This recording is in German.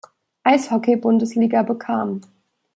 Eishockey-Bundesliga bekam.